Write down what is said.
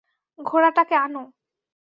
ঘোড়া টাকে আনো!